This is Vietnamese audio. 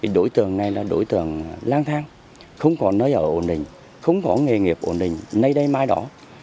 đối tượng này là đối tượng lang thang không có nơi ở ổn định không có nghề nghiệp ổn định nay đây mai đó